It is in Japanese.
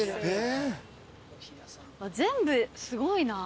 全部すごいな。